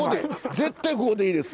絶対ここでいいです。